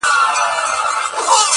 په شپه کي ګرځي محتسب د بلاګانو سره.!